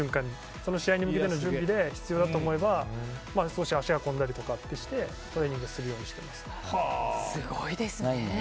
その試合に向けての準備で必要だと思えば足を運んだりしてトレーニングするようにすごいですね。